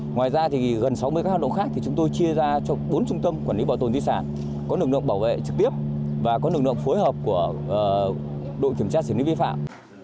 ngoài ra thì gần sáu mươi các hà nội khác thì chúng tôi chia ra cho bốn trung tâm quản lý bảo tồn di sản có lực lượng bảo vệ trực tiếp và có lực lượng phối hợp của đội kiểm tra xử lý vi phạm